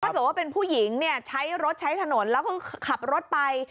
ถ้าเกิดว่าเป็นผู้หญิงเนี่ยใช้รถใช้ถนนแล้วก็ขับรถไป